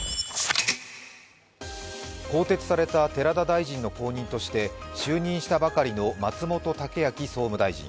更迭された寺田大臣の後任として就任したばかりの松本剛明総務大臣。